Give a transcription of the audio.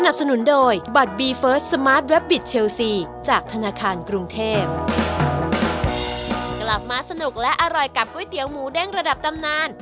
กลับมาสนุกและอร่อยกับก๋วยเตี๋ยวหมูเด้งระดับตำนาน